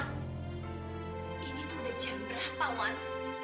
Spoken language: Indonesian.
ini tuh udah jam berapa wan